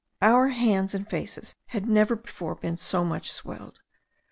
Our hands and faces had never before been so much swelled.